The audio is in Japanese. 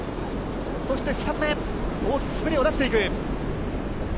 そして、２つ目、大きくスプレーを出していく。